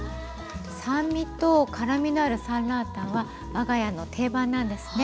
酸味と辛みのあるサンラータンは我が家の定番なんですね。